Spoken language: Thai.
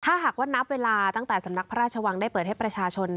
ถ้าหากว่านับเวลาตั้งแต่สำนักพระราชวังได้เปิดให้ประชาชน